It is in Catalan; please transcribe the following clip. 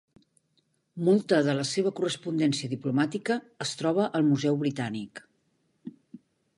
Molta de la seva correspondència diplomàtica es troba al Museu Britànic.